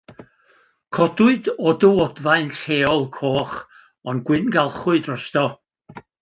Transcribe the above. Codwyd o dywodfaen lleol, coch ond gwyngalchwyd drosto.